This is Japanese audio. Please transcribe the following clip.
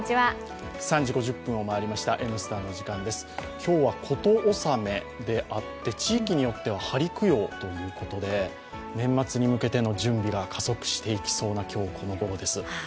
今日は事納めであって、地域によっては針供養ということで年末に向けての準備が加速していきそうな今日このごろです。